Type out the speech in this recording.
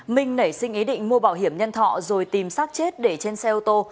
minh nảy sinh ý định mua bảo hiểm nhân thọ rồi tìm sát chết để trên xe ô tô